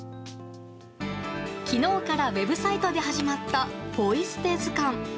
昨日からウェブサイトで始まったポイ捨て図鑑。